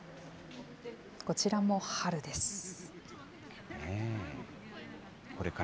こちらも春です。